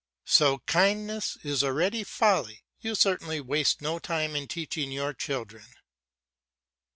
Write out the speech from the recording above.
So kindness is already folly. You certainly waste no time in teaching your children.